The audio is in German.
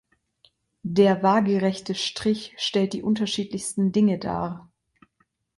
Der waagerechte Strich stellt die unterschiedlichsten Dinge dar.